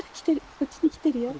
こっちに来てるよ。